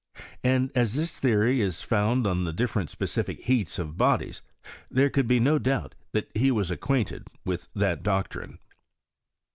And, as this theory is founded on the different specific heats of bodies, there could be no doubt that he was acquainted with that doctrine.